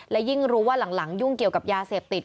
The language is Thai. และยิ่งรู้ว่าหลังยุ่งเกี่ยวกับยาเสพติด